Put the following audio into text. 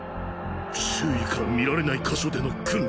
周囲から見られない箇所での訓練